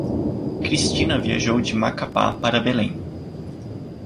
Cristina viajou de Macapá para Belém.